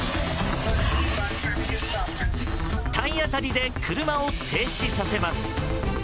体当たりで車を停止させます。